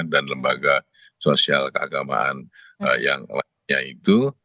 dan lembaga sosial keagamaan yang lainnya itu